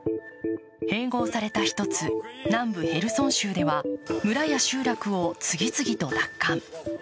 併合された１つ、南部ヘルソン州では村や集落を次々と奪還。